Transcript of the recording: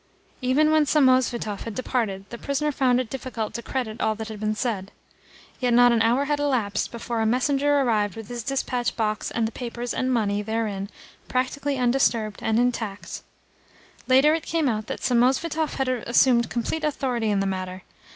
Even when Samosvitov had departed the prisoner found it difficult to credit all that had been said. Yet not an hour had elapsed before a messenger arrived with his dispatch box and the papers and money therein practically undisturbed and intact! Later it came out that Samosvitov had assumed complete authority in the matter.